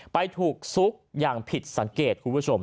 ไปถูกซุกอย่างผิดสังเกต